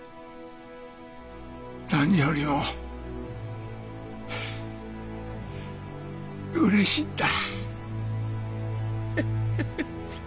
何よりもうれしいんだ。